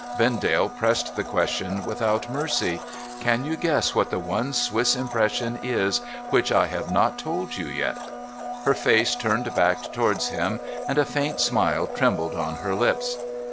Vendale pressed the question without mercy. ' Can you guess what the one Swiss impression is, which I have not told you yet ?' Her face turned back towards him, and a faint smile trembled on her lips.